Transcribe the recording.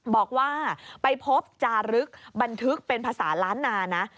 บอกว่าไปพบจารึกบันทึกเป็นภาษาล้านนานะ